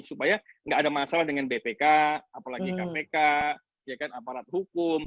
supaya nggak ada masalah dengan bpk apalagi kpk aparat hukum